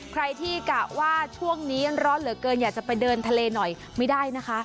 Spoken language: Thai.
ใครที่กะว่าช่วงนี้ร้อนเหลือเกินอยากจะไปเดินทะเลหน่อยไม่ได้นะคะ